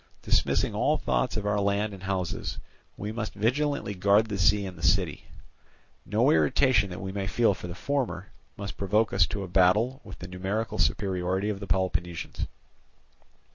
Dismissing all thought of our land and houses, we must vigilantly guard the sea and the city. No irritation that we may feel for the former must provoke us to a battle with the numerical superiority of the Peloponnesians.